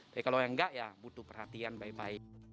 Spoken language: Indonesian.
tapi kalau yang enggak ya butuh perhatian baik baik